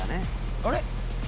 「あれ？」